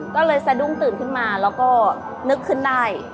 ก็เลยสะดุ้งตื่นขึ้นมาแล้วก็นึกขึ้นได้